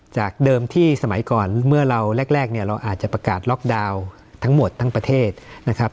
จากเดิมที่สมัยก่อนเมื่อเราแรกเนี่ยเราอาจจะประกาศล็อกดาวน์ทั้งหมดทั้งประเทศนะครับ